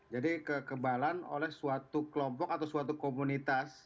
jadi kekebalan oleh suatu kelompok atau suatu komunitas